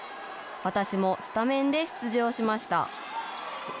私もスタメンで出場しました。